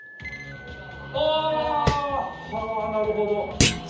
ああ！はなるほど！